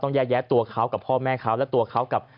แยกแยะตัวเขากับพ่อแม่เขาและตัวเขากับ